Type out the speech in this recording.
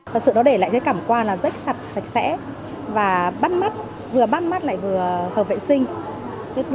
thật sự nó để lại cái cảm quan là rất sạch sạch sẽ và bắt mắt vừa bắt mắt lại vừa hợp vệ sinh